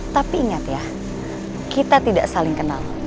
tapi ingat ya kita tidak saling kenal